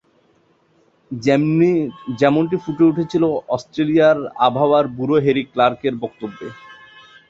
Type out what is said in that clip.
যেমনটি ফুটে ওঠে অস্ট্রেলিয়ার আবহাওয়া ব্যুরো হেরি ক্লার্কের বক্তব্যে।